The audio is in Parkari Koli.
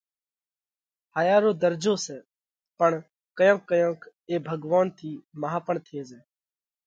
هايا رو ڌرجو سئہ، پڻ ڪيونڪ ڪيونڪ اي ڀڳوونَ ٿِي مانه پڻ ٿي زائه۔